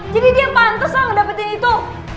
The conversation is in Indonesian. jadi dia yang pantes lah ngedapetin itu